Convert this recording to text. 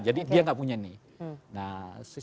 jadi dia enggak punya ini